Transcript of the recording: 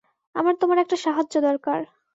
আমার তোমার একটা সাহায্য দরকার।